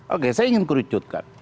oke saya ingin kerucutkan